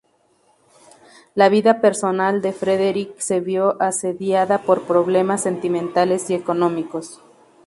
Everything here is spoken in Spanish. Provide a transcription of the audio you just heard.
La vida personal de Frederick se vio asediada por problemas sentimentales y económicos.